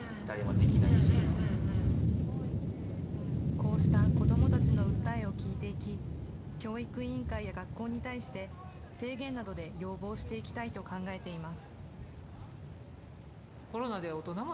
こうした子どもたちの訴えを聞いていき、教育委員会や学校に対して、提言などで要望していきたいと考えています。